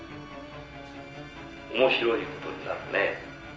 「面白い事になるね」